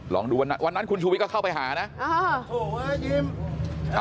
ลองดูวันนั้นวันนั้นคุณชุวิตก็เข้าไปหานะ